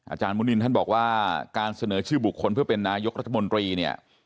มุนินท่านบอกว่าการเสนอชื่อบุคคลเพื่อเป็นนายกรัฐมนตรีเนี่ย